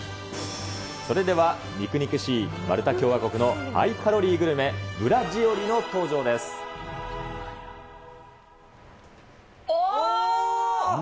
それでは肉肉しいマルタ共和国のハイカロリーグルメ、ブラジオリおー！